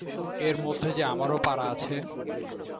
এর মধ্যে যে আমারও পারা আছে।